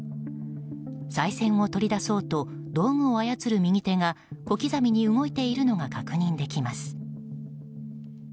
さい銭を取り出そうと道具を操る右手が小刻みに動いているのが確認できます。